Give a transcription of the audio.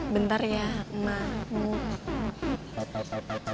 bentar ya mahmud